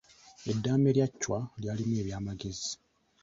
Eddaame lya Chwa lyalimu eby’amagezi.